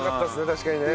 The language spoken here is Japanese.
確かにね。